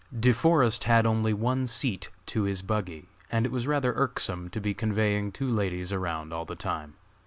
De Forest had only one seat to his buggy, and it was rather irksome to be conveying two ladies around all the time.